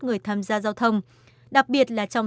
nghĩa là hai vợ chồng em ở riêng